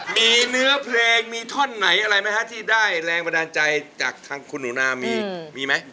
มีเนื้อเพลงมีท่อนไหนอะไรไหมฮะที่ได้แรงบันดาลใจจากทางคุณหนูนามีไหม